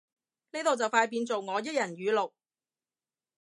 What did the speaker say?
呢度就快變做我一人語錄